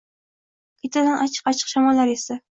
Ketidan achchiq-achchiq shamollar esdi.